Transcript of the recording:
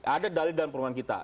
ada dalil dalam perumahan kita